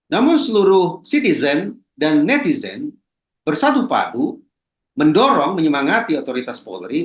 namun seluruh citizen dan netizen bersatu padu mendorong menyemangati otoritas polri